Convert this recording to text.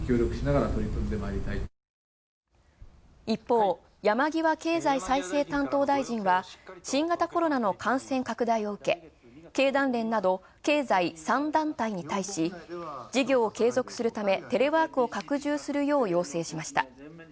一方、山際経済再生担当大臣は、新型コロナの感染拡大を受け、経団連など経済３３団体に対し、テレワークを拡充するよう要請しました。